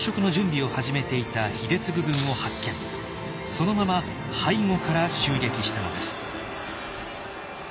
そのまま背後から襲撃したのです。